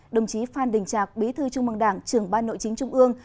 đồng chí phan đình trạc bí thư trung mương đảng trưởng ban nội chính trung ương